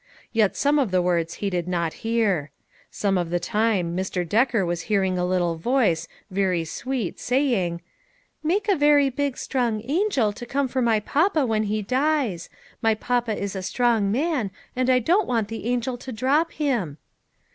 Yet some of his words he did not hear. Some of the time Mr. Decker was hearing a little voice, very sweet, saying :" Make a very big strong angel to come for my papa when he dies ; my papa is a strong man and I don't want the angel to drop him."